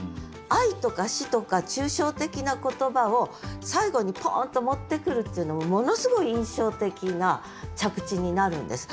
愛とか死とか抽象的な言葉を最後にポンと持ってくるっていうのもものすごい印象的な着地になるんです。